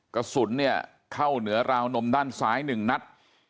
กระสุนเนี่ยเข้าเหนือราวนมด้านซ้าย๑นัด